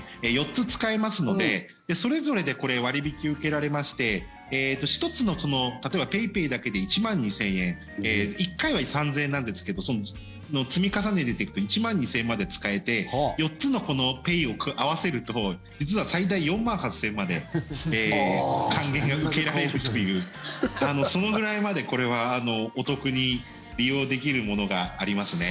４つ使えますのでそれぞれで割引受けられまして１つの例えばＰａｙＰａｙだけで１万２０００円１回は３０００円なんですけど積み重ねていくと１万２０００円まで使えて４つのペイを合わせると実は最大４万８０００円まで還元が受けられるというそのぐらいまで、これはお得に利用できるものがありますね。